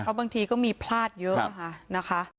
เพราะบางทีก็มีพลาดเยอะนะคะ